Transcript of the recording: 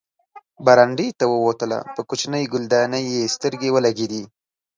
برنډې ته ووتله، په کوچنۍ ګلدانۍ یې سترګې ولګېدې.